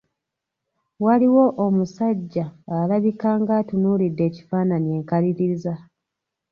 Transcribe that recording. Waliwo omusajja alabika ng’atunuulidde ekifaanaanyi enkaliriza.